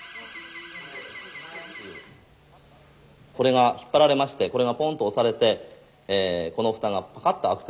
これが引っ張られましてこれがポンと押されてこの蓋がパカッと開くというそういう機械なわけですね。